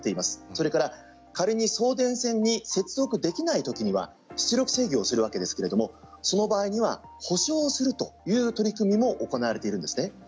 それから、仮に送電線に接続できない時には出力制御をするわけですがその場合には補償をするという取り組みも行われているんです。